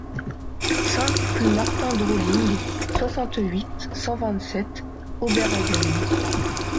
cinq rue Martin Drolling, soixante-huit, cent vingt-sept, Oberhergheim